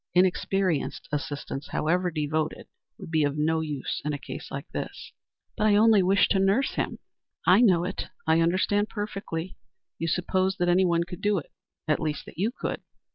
Inexperienced assistance, however devoted, would be of no use in a case like this." "But I only wished to nurse him." "I know it; I understand perfectly. You supposed that anyone could do that. At least that you could.